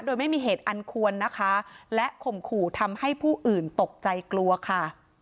โดยไม่มีเหตุอันควรนะคะและข่มขู่ทำให้ผู้อื่นตกใจกลัวค่ะ